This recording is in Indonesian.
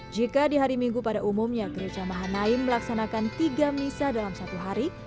jika di hari minggu pada umumnya gereja mahanaim melaksanakan tiga misa dalam satu hari